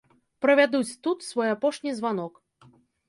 Правядуць тут свой апошні званок.